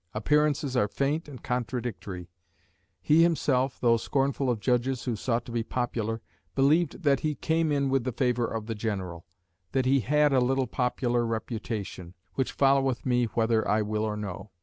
Appearances are faint and contradictory; he himself, though scornful of judges who sought to be "popular," believed that he "came in with the favour of the general;" that he "had a little popular reputation, which followeth me whether I will or no."